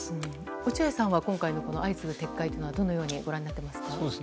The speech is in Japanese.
落合さんは今回の相次ぐ撤回はどのようにご覧になってますか？